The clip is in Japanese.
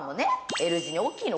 Ｌ字に。